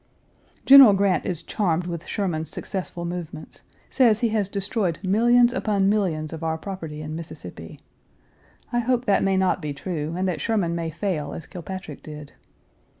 General Grant is charmed with Sherman's successful movements; says he has destroyed millions upon millions of our property in Mississippi. I hope that may not be true, and that Sherman may fail as Kilpatrick did.